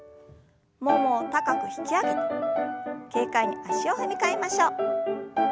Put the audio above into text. ももを高く引き上げて軽快に足を踏み替えましょう。